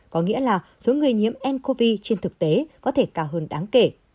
có nghĩa là số người nhiễm ncov trên thực tế có thể cao hơn đáng kể